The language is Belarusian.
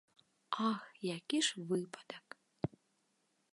Ах, які ж выпадак!